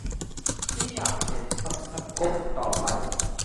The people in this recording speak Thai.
ที่อยากเห็นทำสกู๊ปต่อไป